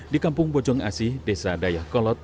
di kampung bojong asih desa dayakolot